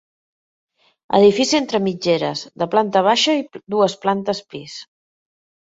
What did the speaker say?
Edifici entre mitgeres, de planta baixa i dues plantes pis.